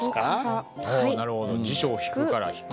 ああなるほど辞書を引くから「引く」。